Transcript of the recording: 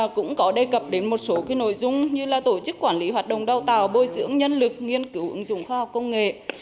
cũng có đề cập đến một số nội dung như là tổ chức quản lý hoạt động đào tạo bồi dưỡng nhân lực nghiên cứu ứng dụng khoa học công nghệ